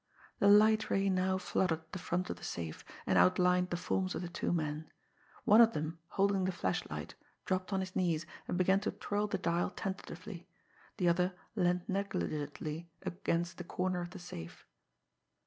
The light ray now flooded the front of the safe, and outlined the forms of the two men. One of them, holding the flashlight, dropped on his knees, and began to twirl the dial tentatively; the other leaned negligently against the corner of the safe.